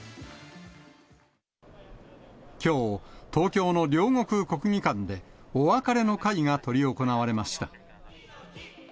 きょう、東京の両国国技館でお別れの会が執り行われました。